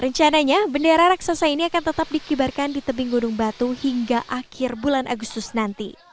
rencananya bendera raksasa ini akan tetap dikibarkan di tebing gunung batu hingga akhir bulan agustus nanti